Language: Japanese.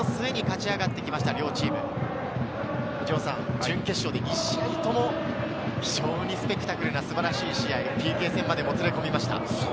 準決勝で２試合とも非常にスペクタクルな素晴らしい試合、ＰＫ戦までもつれ込みました。